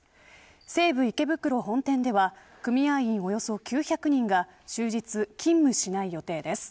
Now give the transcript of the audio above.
西武池袋本店では組合員およそ９００人が終日勤務しない予定です。